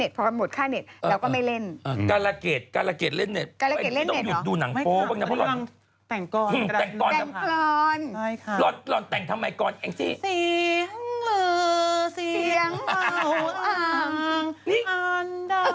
อยู่ก็ร้องขึ้นมา